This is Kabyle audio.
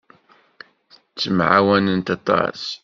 Ttemɛawanent aṭas.